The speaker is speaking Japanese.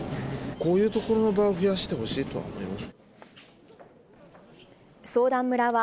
こういうところの場を増やしてほしいとは思います。